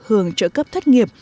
hưởng trợ cấp thất nghiệp